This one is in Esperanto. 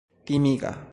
timiga